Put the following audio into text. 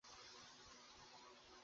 ওকে বিষণ্ণ আর পরাজিত মনে হচ্ছে।